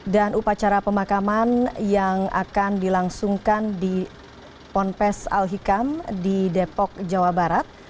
dan upacara pemakaman yang akan dilangsungkan di pompes al hikam di depok jawa barat